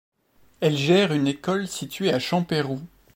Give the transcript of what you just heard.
Elle gère une école située à Champeyroux.